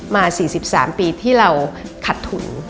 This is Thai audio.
มา๔๓ปีที่เราขัดทุน